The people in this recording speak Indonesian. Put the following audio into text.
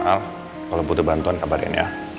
al kalau butuh bantuan kabarin ya